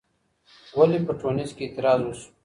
ولي په ټونس کي اعتراض وسو؟